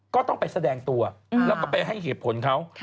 ก็ต้องไปแสดงตัวแล้วก็ไปให้เหตุผลเขา